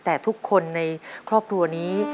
แต่ทุกคนในครอบครัวนี้